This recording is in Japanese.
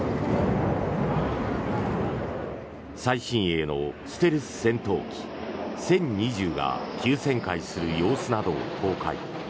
最新鋭のステルス戦闘機殲２０が急旋回する様子などを公開。